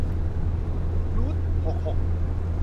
รูทหกหก